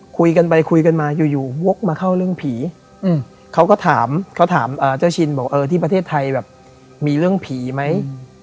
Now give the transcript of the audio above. คุยกันไปคุยกันมาอยู่วกมาเข้าเรื่องผีเขาก็ถามเขาถามเจ้าชินบอกเออที่ประเทศไทยแบบมีเรื่องผีไหม